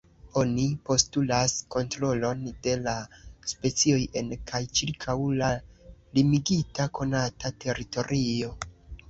Oni postulas kontrolon de la specioj en kaj ĉirkaŭ la limigita konata teritorio.